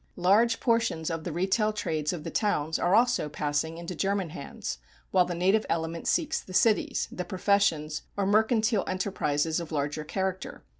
Large portions of the retail trades of the towns are also passing into German hands, while the native element seeks the cities, the professions, or mercantile enterprises of larger character.